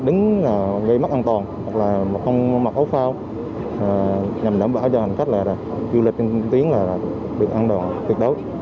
đứng gây mất an toàn hoặc không mặc ốc phao nhằm đảm bảo cho hành khách là du lịch trên tuyến là việc an toàn tuyệt đối